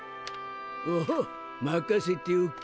おお任せておけ。